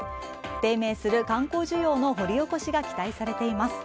低迷する観光需要の掘り起こしが期待されています。